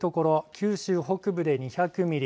九州北部で２００ミリ